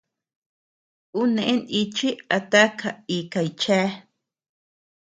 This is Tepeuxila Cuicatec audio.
Ú neʼë nichi a taka ikay chea.